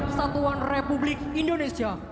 kesatuan republik indonesia